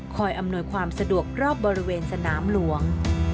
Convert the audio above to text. อำนวยความสะดวกรอบบริเวณสนามหลวง